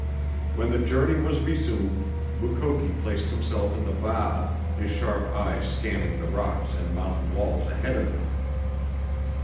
When the journey was resumed Mukoki placed himself in the bow, his sharp eyes scanning the rocks and mountain walls ahead of him.